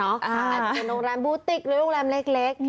อาจจะเป็นโรงแรมบูติกหรือโรงแรมเล็ก